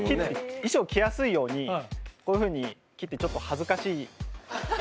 衣装着やすいようにこういうふうに切ってちょっと恥ずかしいっていう。